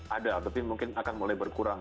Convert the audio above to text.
ada tapi mungkin akan mulai berkurang